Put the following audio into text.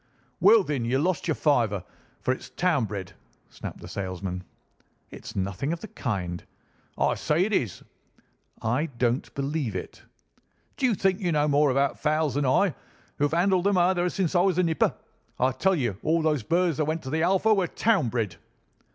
"Well, then, you've lost your fiver, for it's town bred," snapped the salesman. "It's nothing of the kind." "I say it is." "I don't believe it." "D'you think you know more about fowls than I, who have handled them ever since I was a nipper? I tell you, all those birds that went to the Alpha were town bred."